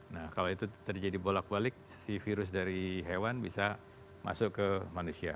nah kalau itu terjadi bolak balik si virus dari hewan bisa masuk ke manusia